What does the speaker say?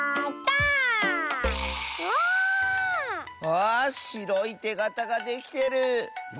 わしろいてがたができてる！